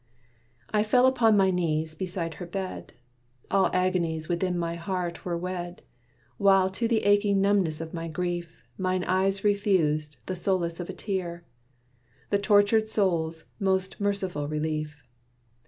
I fell upon my knees beside her bed; All agonies within my heart were wed, While to the aching numbness of my grief, Mine eyes refused the solace of a tear, The tortured soul's most merciful relief.